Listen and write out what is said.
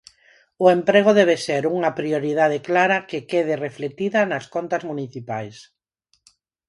"O emprego debe ser unha prioridade clara que quede reflectida nas contas municipais".